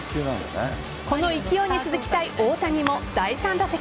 この勢いに続きたい大谷も第３打席。